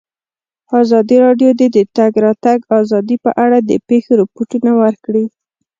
ازادي راډیو د د تګ راتګ ازادي په اړه د پېښو رپوټونه ورکړي.